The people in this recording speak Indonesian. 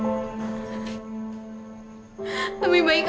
sekarang aku anggap minggu minggu